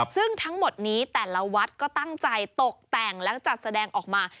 ซึ่งทั้งหมดนี้แต่ละวัดก็ตั้งใจตกแต่งและจัดแสดงออกมา